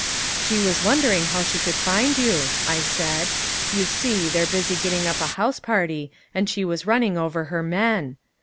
"She was wondering how she could find you," I said. "You see, they're busy getting up a house party and she was running over her men.